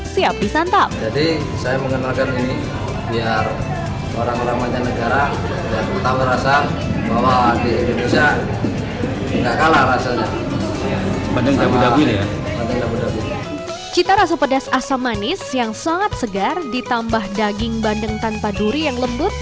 cita rasa pedas asam manis yang sangat segar ditambah daging bandeng tanpa duri yang lembut